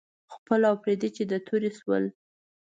خپل او پردي چې د تورې شول.